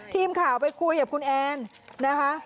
ทีมข่าวไปคุยกับคุณแอนนะคะ